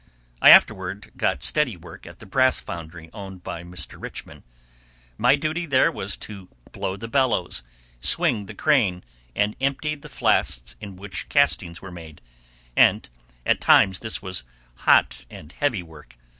I afterward got steady work at the brass foundry owned by Mr. Richmond. My duty here was to blow the bellows, swing the crane, and empty the flasks in which castings were made; and at times this was hot and heavy work.